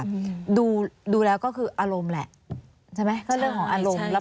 ดูดูแล้วก็คืออารมณ์แหละใช่ไหมก็เรื่องของอารมณ์แล้ว